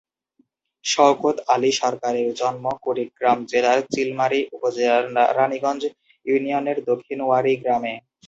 শওকত আলী সরকারের জন্ম কুড়িগ্রাম জেলার চিলমারী উপজেলার রানীগঞ্জ ইউনিয়নের দক্ষিণ ওয়ারী গ্রামে।